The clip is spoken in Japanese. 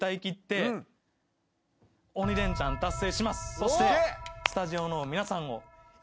そしてスタジオの皆さんを。